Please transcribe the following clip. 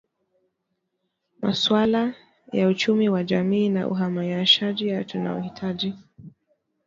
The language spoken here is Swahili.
masuala ya uchumi wa jamii na uhamaishaji tunaohitaji